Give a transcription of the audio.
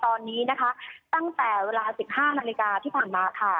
ตอนนี้ตั้งแต่เวลา๑๕นาฬิกาที่ผ่านมา